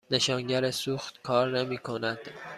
نشانگر سوخت کار نمی کند.